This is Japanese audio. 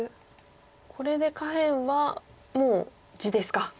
これで下辺はもう地ですか。